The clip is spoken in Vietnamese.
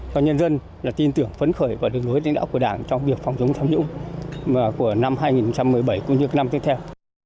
cho nhân dân là tin tưởng phấn khởi và được đối tính đã của đảng trong việc phòng chống tham dũng của năm hai nghìn một mươi bảy cũng như năm tiếp theo